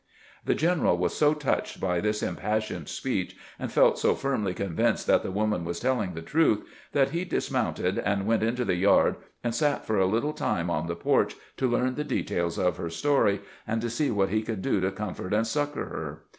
The general was so touched by this impassioned speech, and felt so firmly convinced that the woman was telling the truth, that he dismounted and went into the yard, and sat for a little time on the porch, to learn the details of her story, and to see what he could do to comfort and succor her.